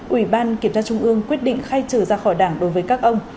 ủy ban kiểm tra trung ương quyết định khai trừ ra khỏi đảng đối với các ông